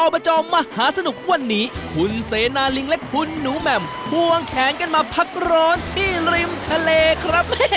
บจมหาสนุกวันนี้คุณเสนาลิงและคุณหนูแหม่มพวงแขนกันมาพักร้อนที่ริมทะเลครับ